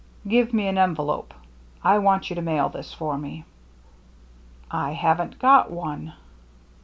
"Give me an envelope; I want you to mail this for me." " I haven't got one."